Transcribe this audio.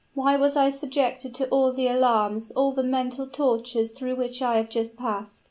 why was I subjected to all the alarms all the mental tortures through which I have just passed?"